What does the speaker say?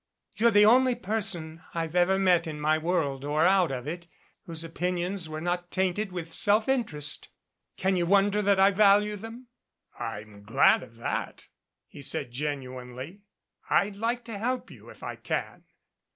You're the only person I've ever met in my world or out of it whose opinions were not tainted with self interest. Can you wonder that I value them?" "I'm glad of that," he said genuinely. "I'd like to help you if I can."